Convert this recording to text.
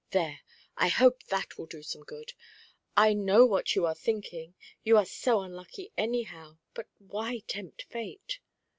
"There! I hope that will do some good. I know what you are thinking you are so unlucky, anyhow. But why tempt fate?"